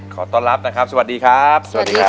ขอต้อนรับนะครับสวัสดีครับ